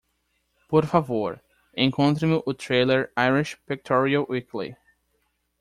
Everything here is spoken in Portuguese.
Por favor, encontre-me o trailer Irish Pictorial Weekly.